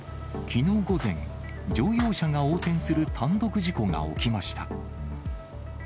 きのう午前、乗用車が横転する単独事故が起きました。